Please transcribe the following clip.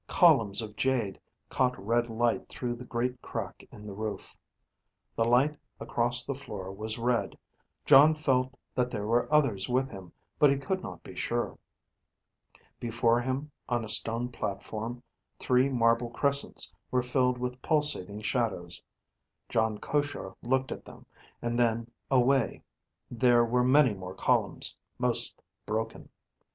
Columns of jade caught red light through the great crack in the roof. The light across the floor was red. Jon felt that there were others with him, but he could not be sure. Before him, on a stone platform, three marble crescents were filled with pulsating shadows. Jon Koshar looked at them, and then away. There were many more columns, most broken.